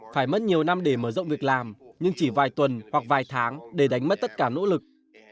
phải mất nhiều năm để mở rộng việc làm nhưng chỉ vài tuần hoặc vài tháng để đánh mất tất cả nỗ lực